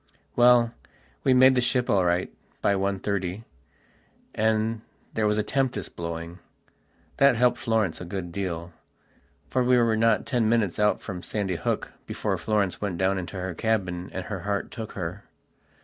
.. Well, we made the ship all right by one thirtyand there was a tempest blowing. That helped Florence a good deal. For we were not ten minutes out from Sandy Hook before Florence went down into her cabin and her heart took her.